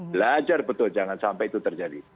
belajar betul jangan sampai itu terjadi